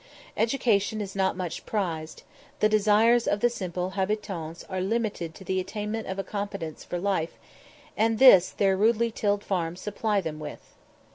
Education is not much prized; the desires of the simple habitans are limited to the attainment of a competence for life, and this their rudely tilled farms supply them with.